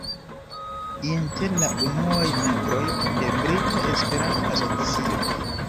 Inter la unuaj membroj de Brita Esperanto-Asocio.